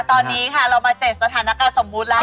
ตอนนี้ค่ะเรามา๗สถานการณ์สมมุติแล้ว